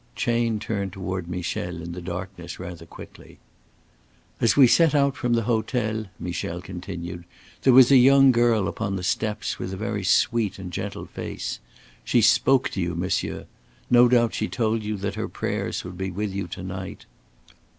Chayne turned toward Michel in the darkness rather quickly. "As we set out from the hotel," Michel continued, "there was a young girl upon the steps with a very sweet and gentle face. She spoke to you, monsieur. No doubt she told you that her prayers would be with you to night."